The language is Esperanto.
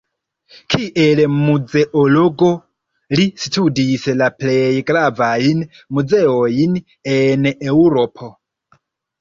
Kiel muzeologo li studis la plej gravajn muzeojn en Eŭropo.